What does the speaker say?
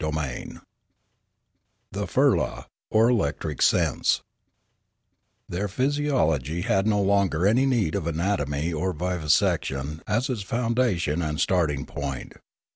CHAPTER X THE PIRI^A, OR ELECTRIC SENSE THEIR physiology had no longer any need of anatomy or vivisection as its foundation and starting point.